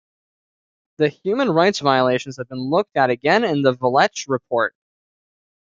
The human rights violations have been looked at again in the Valech Report.